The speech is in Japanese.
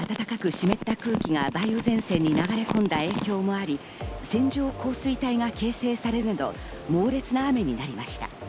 湿った空気が梅雨前線に流れ込んだ影響もあり、線状降水帯が形成されるなど猛烈な雨になりました。